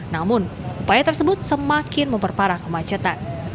namun upaya tersebut semakin memperparah kemacetan